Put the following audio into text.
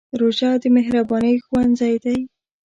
روژه د مهربانۍ ښوونځی دی.